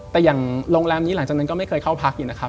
แต่อย่างโรงแรมนี้หลังจากนั้นก็ไม่เคยเข้าพักอยู่นะครับ